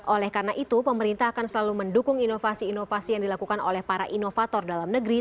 oleh karena itu pemerintah akan selalu mendukung inovasi inovasi yang dilakukan oleh para inovator dalam negeri